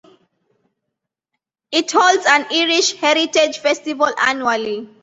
It holds an Irish Heritage Festival annually.